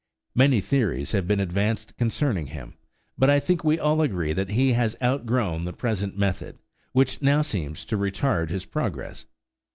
Many theories have been advanced concerning him; but I think we all agree that he has outgrown the present method, which now seems to retard his progress.